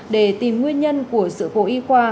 để tìm nguyên nhân của sự cố y khoa